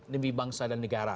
lebih bangsa dan negara